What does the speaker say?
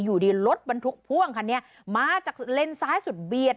อยู่ดีรถบรรทุกพ่วงคันนี้มาจากเลนซ้ายสุดเบียด